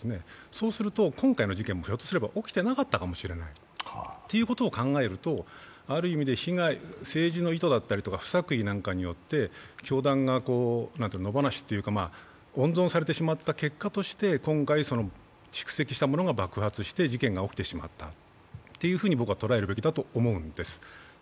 そうすると今回の事件もひょっとすると起きてなかったかもしれない。ということを考えるとある意味で政治の意図だったりとか不作為なんかによって教団が野放しというか、温存されてしまった結果として今回、蓄積したものが爆発して事件が起きてしまったというふうに僕は捉えるべきだと思うんです。